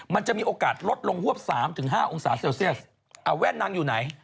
มันจะมีโอกาสลดลงฮวบสามถึงห้าองศาเสลเซียสสเอาแว่นนางอยู่ไหน